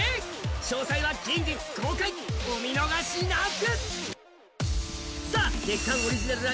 詳細は近日公開、お見逃しなく！